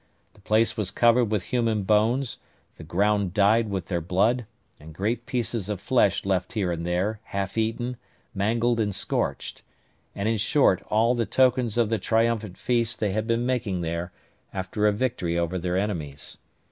The place was covered with human bones, the ground dyed with their blood, and great pieces of flesh left here and there, half eaten, mangled, and scorched; and, in short, all the tokens of the triumphant feast they had been making there, after a victory over their enemies.